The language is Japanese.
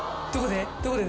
どこで？